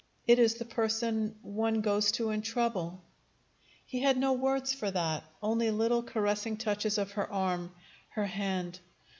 It is the person one goes to in trouble." He had no words for that, only little caressing touches of her arm, her hand.